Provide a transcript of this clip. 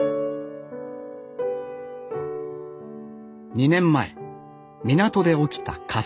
２年前港で起きた火災。